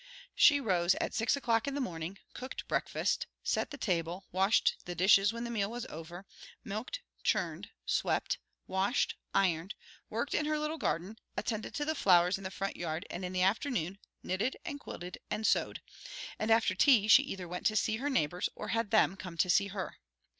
She rose at six o'clock in the morning, cooked breakfast, set the table, washed the dishes when the meal was over, milked, churned, swept, washed, ironed, worked in her little garden, attended to the flowers in the front yard and in the afternoon knitted and quilted and sewed, and after tea she either went to see her neighbors or had them come to see her.